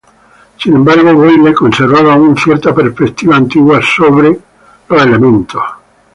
Sin embargo, Boyle conservaba aún cierta perspectiva antigua acerca de los elementos.